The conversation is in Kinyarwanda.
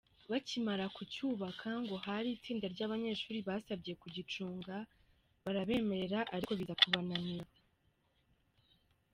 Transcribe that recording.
Bakimara kucyubaka ngo hari itsinda ry’abanyeshuri basabye kugicunga barabemerera ariko biza kubananira.